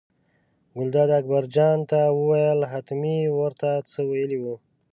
ګلداد اکبرجان ته وویل حتمي یې ور ته څه ویلي وو.